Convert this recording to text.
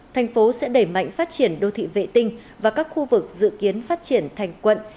thành phố sẽ đẩy mạnh phát triển đô thị vệ tinh và các khu vực dự kiến phát triển thành quận